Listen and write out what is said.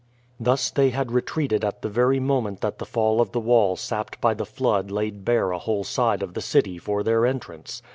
Thus they had retreated at the very moment that the fall of the wall sapped by the flood laid bare a whole side of the city for their entrance.